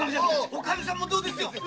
おかみさんも一口どうです？